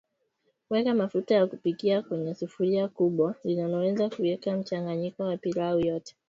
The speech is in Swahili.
Weka mafuta ya kupikia kwenye sufuria kubwa linaloweza kuweka mchanganyiko wa pilau yote